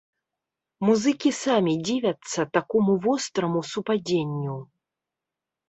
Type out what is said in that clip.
Музыкі самі дзівяцца такому востраму супадзенню.